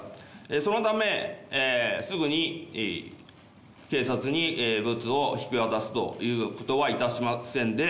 そのため、すぐに警察にブツを引き渡すということはいたしませんで。